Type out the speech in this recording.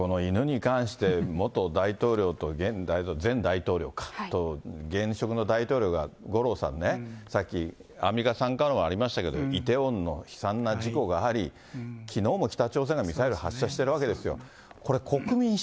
まあ、犬に関して、元大統領と現大統領、前大統領か、と現職の大統領が五郎さんね、さっきアンミカさんからもありましたけど、イテウォンの悲惨な事故があり、きのうも北朝鮮がミサイル発射してるわけですよ。